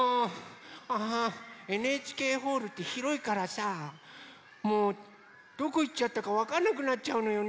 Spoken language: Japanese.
ああＮＨＫホールってひろいからさもうどこいっちゃったかわかんなくなっちゃうのよね。